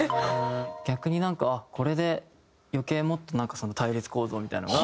逆になんかこれで余計もっと対立構造みたいなのが。